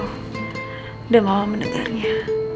udah mama menegarnya